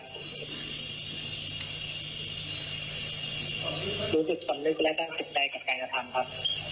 รู้สึกสมลึกและก้างกลุ่มตื่นใจกับกายกระทำครับ